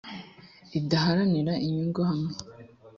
idaharanira inyungu hamwe